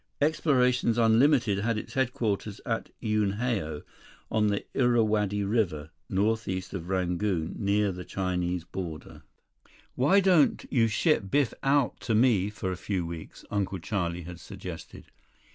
Explorations Unlimited had its headquarters at Unhao, on the Irrawaddy River, northeast of Rangoon near the Chinese border. "Why don't you ship Biff out to me for a few weeks?" Uncle Charlie had suggested.